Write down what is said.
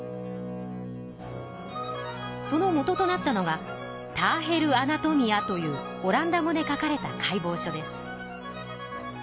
そのもととなったのが「ターヘル・アナトミア」というオランダ語で書かれた解剖書です。